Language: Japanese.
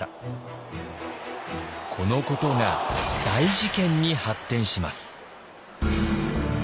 このことが大事件に発展します。